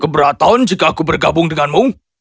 keberatan jika aku bergabung denganmu